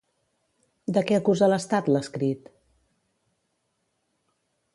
De què acusa l'estat, l'escrit?